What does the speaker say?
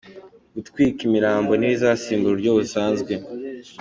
Gutwika imirambo ntibizasimbura uburyo busanzwe